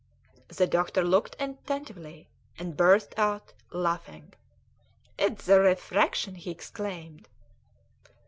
The doctor looked attentively, and burst out laughing. "It's the refraction!" he exclaimed.